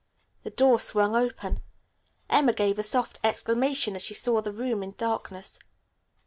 The door swung open. Emma gave a soft exclamation as she saw the room in darkness.